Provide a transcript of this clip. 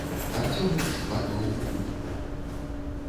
Арцём іх складваў у купку.